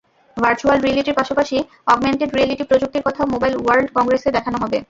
Virtual রিয়েলিটির পাশাপাশি augmented reality প্রযুক্তির কথাও মোবাইল ওয়ার্ল্ড কংগ্রেসে দেখানো হবে।